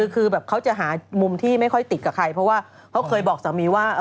คือแบบเขาจะหามุมที่ไม่ค่อยติดกับใครเพราะว่าเขาเคยบอกสามีว่า